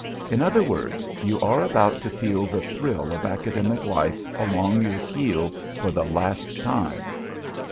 In other words, you are about to feel the thrill of Academic life along your keel for the last time.